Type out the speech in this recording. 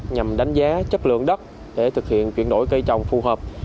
nhằm đánh giá chất lượng đất để thực hiện chuyển đổi cây trồng phù hợp